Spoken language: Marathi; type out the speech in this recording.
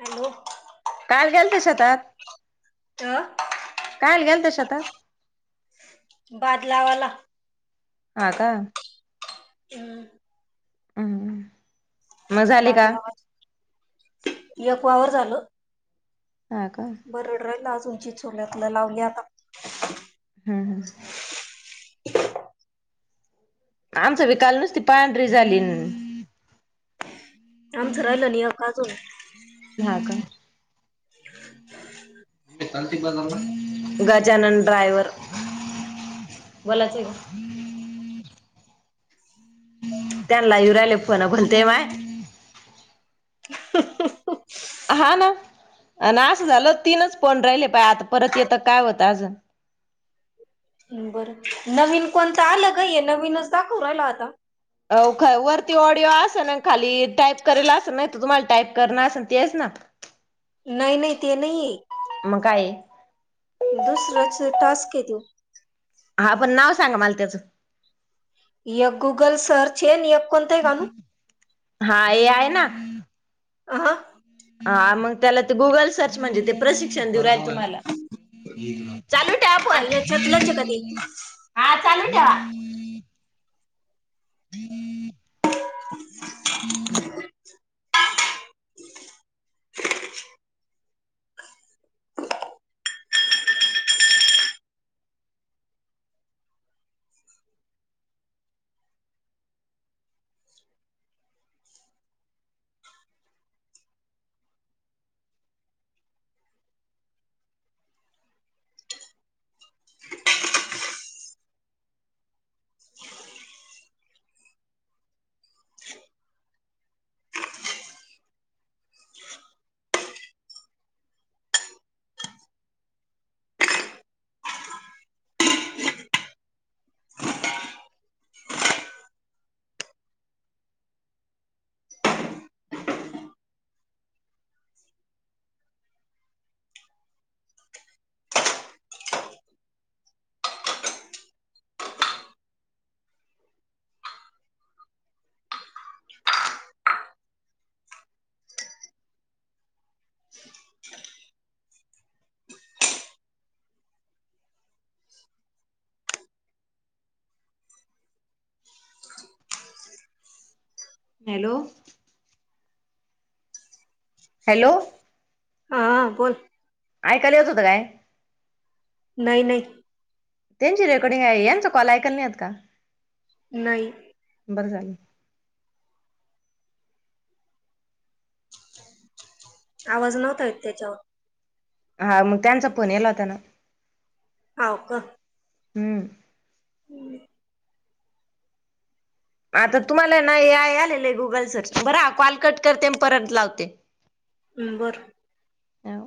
हॅलो... काल गेल ते शेतात... तर... काल गेलते शेतात आता.... बादलावाला... ह का... हम्.... हम्...... बादगाव एक वावर झाल... हा का बरडर ला अजूंची चोल्यातलं लावली आता... हम्म ह... [inaudible] आमचं हम्म विकाल नस त पांढरी झाली... आमचं राहिलं नि अकाजून... हा का.... [inaudible] गजानन ड्रावर... बलाच.. त्यांला येऊ राहिले फोन पण ते माय... हा ना... अन् असं झालं तीनच पोण राहिले प आता परत येतं काय होतं अजून बरं नवीन कोणतं आलं काय नवीनच दाखव राहिल आता अ वरती ऑडिओ असेल खाली टाईप करेला असेल नाही तर तुम्हाला टाईप करणं असेल तेच ना [inaudible] नाही नाही ते नाही मग काय दुसरच टास्क तोय हा पण नाव सांगा मला त्याचं य गुगल सर्च हे नेक हा हे आहे ना आ ह मग त्याला ते गुगल सर्च म्हणजे ते प्रशिक्षण देऊ रा तुमला चालू ठ्या आपण याच्यातलंच आहे का ते हा चालू हा [inaudible] [inaudible] [inaudible] [inaudible] [inaudible] हॅलो हॅलो हा बोल ऐकायला यत होत काय नाही नाही त्यांची रेकॉर्डिंग आहे यांचा कॉल ऐकल नाही का नाही बर झालं आवाज नव्हता त्याच्यावर हा मग त्यांचा फोन यला होताना हो का हम्म हम् आता तुम्हाला नाहीय आलेलं आहे गुगल सर्च बर कॉल कट करते परत लावते हम बर ह